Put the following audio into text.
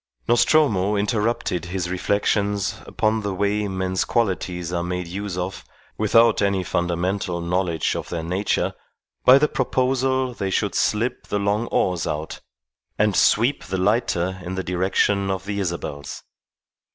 Nostromo interrupted his reflections upon the way men's qualities are made use of, without any fundamental knowledge of their nature, by the proposal they should slip the long oars out and sweep the lighter in the direction of the Isabels.